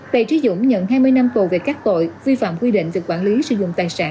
bè trí dũng nhận hai mươi năm tù về các tội vi phạm quy định về quản lý sử dụng tài sản